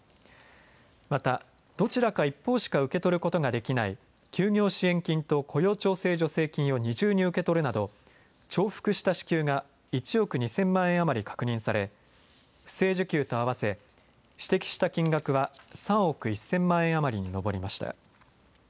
またどちらか一方しか受け取ることができない休業支援金と雇用調整助成金を二重に受け取るなど、重複した支給が１億２０００万円余り確認され不正受給と合わせ指摘した金額金額は３億１０００万円余りに上りました。